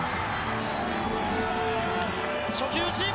初球打ち。